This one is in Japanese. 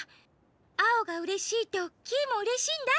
アオがうれしいとキイもうれしいんだ。